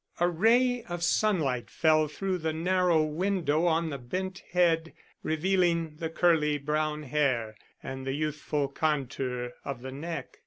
A ray of sunlight fell through the narrow window on the bent head, revealing the curly brown hair and the youthful contour of the neck.